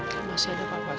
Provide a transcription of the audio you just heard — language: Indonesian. saya masih ada pak pak saya